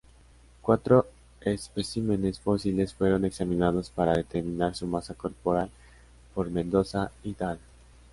Cuatro especímenes fósiles fueron examinados para determinar su masa corporal por Mendoza "Et al.